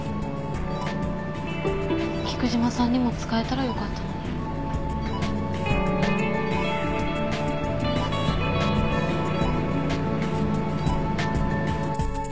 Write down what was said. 菊島さんにも使えたらよかったのに。